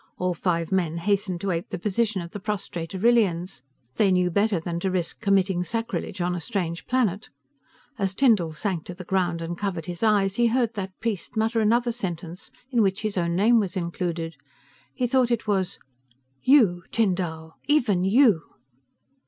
All five men hastened to ape the position of the prostrate Arrillians; they knew better to risk committing sacrilege on a strange planet. As Tyndall sank to the ground and covered his eyes, he heard that priest mutter another sentence, in which his own name was included. He thought it was "You, Tyn Dall ... even you."